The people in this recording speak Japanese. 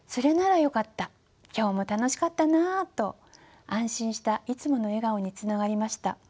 今日も楽しかったな」と安心したいつもの笑顔につながりました。